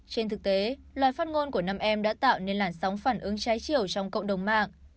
trên thực tế loài phát ngôn của năm em đã tạo nên làn sóng phản ứng trái chiều trong cộng đồng mạng